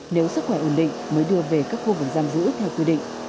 nếu sức khỏe ổn định mới đưa về các khu vực giam giữ theo quy định